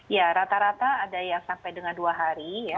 ya rata rata ada yang sampai dengan dua hari ya